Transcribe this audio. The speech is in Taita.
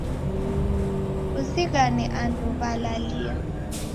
Kuzighane andu w'alalia